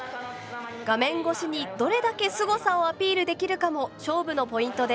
画面越しにどれだけすごさをアピールできるかも勝負のポイントです。